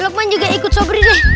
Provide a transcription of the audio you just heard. lukman juga ikut sobri deh